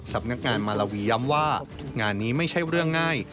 สำนักงานมาลาวีย้ำว่างานนี้ไม่ใช่เรื่องง่าย